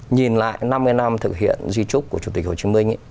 nhìn lại năm mươi năm thực hiện di trúc của chủ tịch hồ chí minh